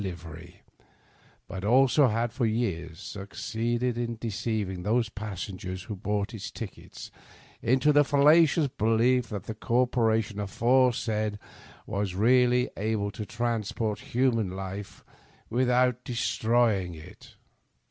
livery, but also liad for years succeeded in deceiving those passengers who bought its tickets into the falla dons belief that the corporation aforesaid was real ly able to transport human life without destroying it.